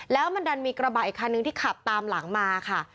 แล้วมันดันมีกระบะอีกคันนึงที่ขับตามหลังมาค่ะ